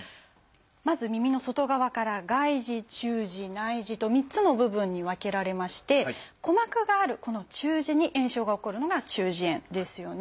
まず耳の外側から「外耳」「中耳」「内耳」と３つの部分に分けられまして鼓膜があるこの中耳に炎症が起こるのが中耳炎ですよね。